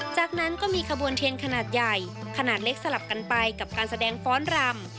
จากนั้นก็มีขบวนเทียนขนาดใหญ่ขนาดเล็กสลับกันไปกับการแสดงฟ้อนรำ